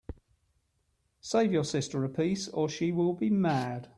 Save you sister a piece, or she will be mad.